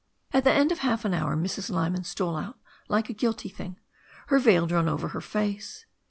At the end of half an hour Mrs. Lyman stole out like a guilty thing, her veil drawn oyer her face.